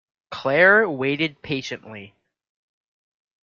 Claire waited patiently.